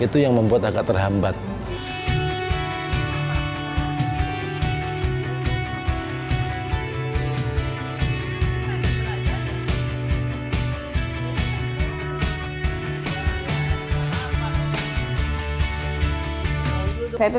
itu membuat agak merasaider